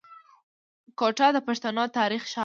کوټه د پښتنو تاريخي ښار دی.